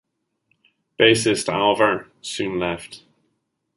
Bassist Alver soon left.